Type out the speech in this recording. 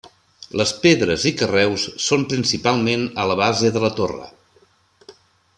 Les pedres i carreus són principalment a la base de la torre.